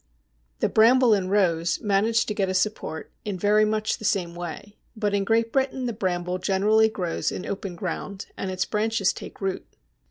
The Bramble and Rose manage to get a support in very much the same way, but in Great Britain the Bramble generally grows in open ground and its branches take root.